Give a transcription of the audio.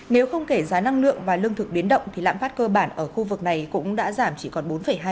nếu không kể giá năng lượng và lương thực biến động thì lạm phát cơ bản ở khu vực này cũng đã giảm chỉ còn bốn hai